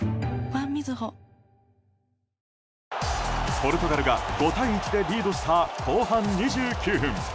ポルトガルが５対１でリードした後半２９分。